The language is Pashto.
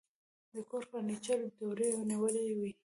د کور فرنيچر دوړې نیولې وې.